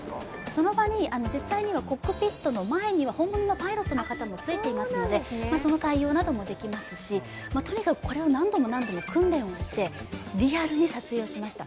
その場に実際にはコックピットの前には本物のパイロットの方もついていますので、その対応などもできますし、とにかくこれを何度も何度も訓練をしてリアルに撮影をしました。